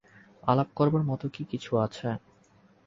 আলাপ করবার মতো কিছু কি আছে?